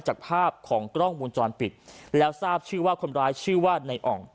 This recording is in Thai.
จากภาพของกล้องมูลจรปิดแล้วทราบชื่อว่าคนร้ายชื่อว่าในอ่อง